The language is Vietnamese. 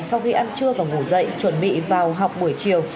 sau khi ăn trưa và ngủ dậy chuẩn bị vào học buổi chiều